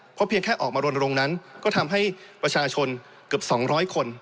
เพราะเพียงแค่ออกมารณรงค์นั้นก็ทำให้ประชาชนเกือบ๒๐๐คน